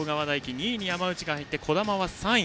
２位に山内が入って児玉が３位。